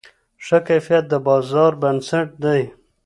ښه کیفیت د بازار بنسټ دی.